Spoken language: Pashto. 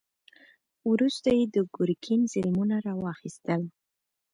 وروسته یې د ګرګین ظلمونه را واخیستل.